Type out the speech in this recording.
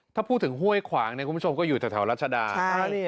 ถ้าพูดถึงห้วยขวางเนี่ยคุณผู้ชมก็อยู่แถวรัชดา